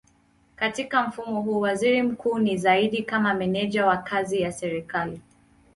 Katika mfumo huu waziri mkuu ni zaidi kama meneja wa kazi ya serikali.